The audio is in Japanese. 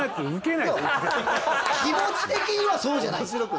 気持ち的にはそうじゃないですか。